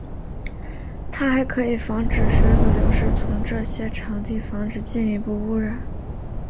它还可以防止水土流失从这些场地防止进一步污染。